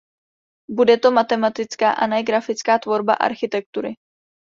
Bude to matematická a ne grafická tvorba architektury.